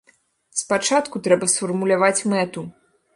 Спачатку трэба сфармуляваць мэту.